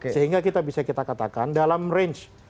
sehingga kita bisa kita katakan dalam range